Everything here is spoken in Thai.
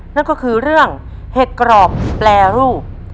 นั่นก็คือเรื่องเห็ดกรอบแปรรูป